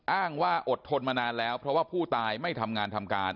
อ้างว่าอดทนมานานแล้วเพราะว่าผู้ตายไม่ทำงานทำการ